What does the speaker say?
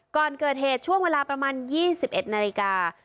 ก่อนเกิดเหตุช่วงเวลาประมาณ๒๑นาฬิกา